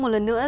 một lần nữa